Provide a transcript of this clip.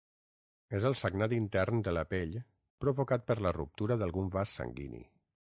És el sagnat intern de la pell provocat per la ruptura d'algun vas sanguini.